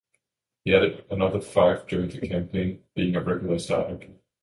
He added a further five during the campaign, being a regular starter.